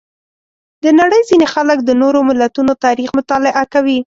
د نړۍ ځینې خلک د نورو ملتونو تاریخ مطالعه کوي.